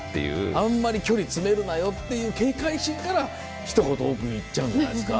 あんまり距離詰めるなよっていう警戒心からひと言多く言っちゃうんじゃないですか？